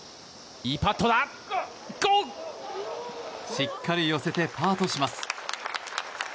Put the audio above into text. しっかり寄せてパーとします。